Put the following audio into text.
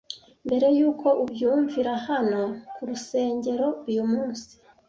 Mbere y’uko ubyumvira hano ku rusengero uyu munsi,